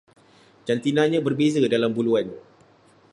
Jantinanya berbeza dalam buluan